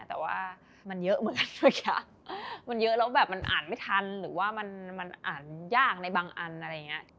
แต่ว่ามันเยอะเหมือนกันนะคะมันเยอะแล้วแบบมันอ่านไม่ทันหรือว่ามันอ่านยากในบางอันอะไรอย่างนี้